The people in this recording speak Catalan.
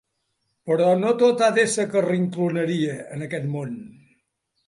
Però no tot ha de ser carrincloneria, en aquest món.